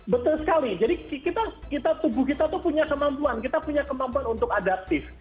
betul sekali jadi kita tubuh kita itu punya kemampuan kita punya kemampuan untuk adaptif